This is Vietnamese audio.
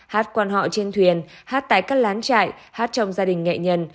hát quan họ trên thuyền hát tại các lán trại hát trong gia đình nghệ nhân